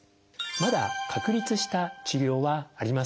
まだ確立した治療はありません。